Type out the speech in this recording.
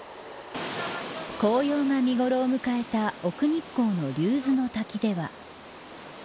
紅葉が見頃を迎えた奥日光の竜頭ノ滝では。